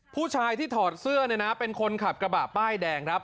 ผู้ชายที่ถอดเสื้อเป็นคนขับกระบะป้ายแดง